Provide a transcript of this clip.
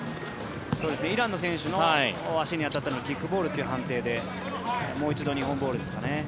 イランの選手の足に当たったのでキックボールという判定でもう一度、日本ボールですかね。